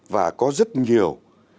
và có rất nhiều